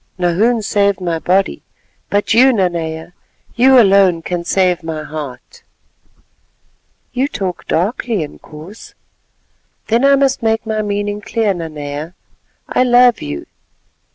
"Nahoon saved my body, but you, Nanea, you alone can save my heart." "You talk darkly, Inkoos." "Then I must make my meaning clear, Nanea. I love you."